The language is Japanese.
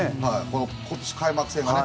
今年、開幕戦がね。